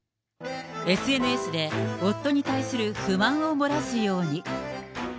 ＳＮＳで夫に対する不満を漏らすように。